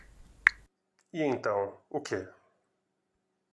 E então, o que?